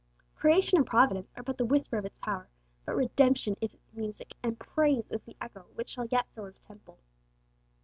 Creation and Providence are but the whisper of its power, but Redemption is its music, and praise is the echo which shall yet fill His temple.